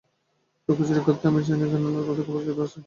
লুকোচুরি করতে আমি চাই নে, কেননা তাতে কাপুরুষতা আছে।